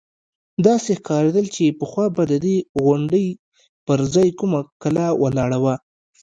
داسې ښکارېدل چې پخوا به د دې غونډۍ پر ځاى کومه کلا ولاړه وه.